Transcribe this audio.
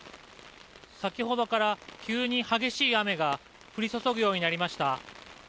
先ほどから急に激しい雨が降り注ぐようになりました。